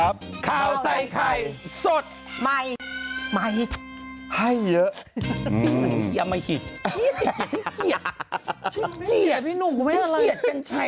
โปรดติดตามตอนต่อไป